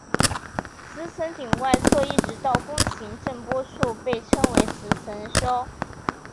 磁层顶外侧一直到弓形震波处被称磁层鞘。